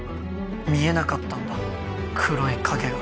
見えなかったんだ黒い影が。